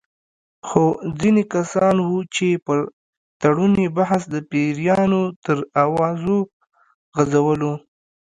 خو ځینې کسان وو چې پر تړون یې بحث د پیریانو تر اوازو غـځولو.